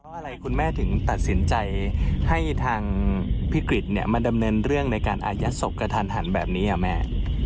เพราะอะไรคุณแม่ถึงตัดสินใจให้ทางพี่กริจมาดำเนินเรื่องในการอายัดศพกระทันหันแบบนี้แม่